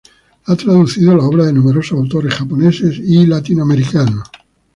Ha traducido la obra de numerosos autores japoneses y latinoamericanos.